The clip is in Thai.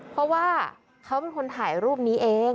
เพราะว่าเขาเป็นคนถ่ายรูปนี้เอง